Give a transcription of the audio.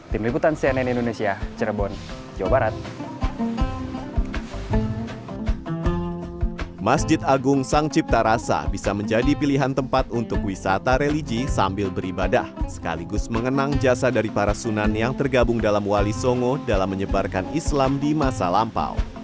tim liputan cnn indonesia cirebon jawa barat